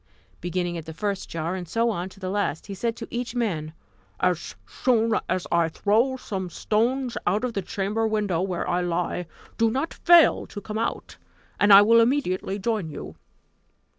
Beginning at the first jar, and so on to the last, he said to each man: "As soon as I throw some stones out of the chamber window where I lie, do not fail to come out, and I will immediately join you."